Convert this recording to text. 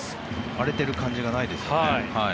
荒れてる感じがないですね。